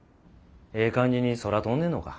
ええ感じに空飛んでんのか？